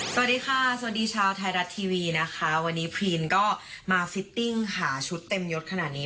สวัสดีค่ะสวัสดีชาวไทยรัฐทีวีนะคะวันนี้พรีนก็มาฟิตติ้งค่ะชุดเต็มยดขนาดนี้